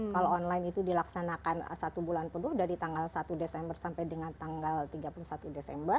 kalau online itu dilaksanakan satu bulan penuh dari tanggal satu desember sampai dengan tanggal tiga puluh satu desember